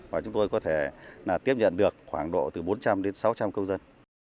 và chúng tôi có thể tiếp nhận được khoảng độ từ bốn trăm linh đến sáu trăm linh công dân